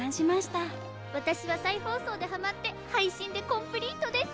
私は再放送でハマって配信でコンプリートです。